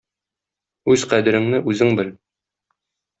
Үз кадереңне үзең бел!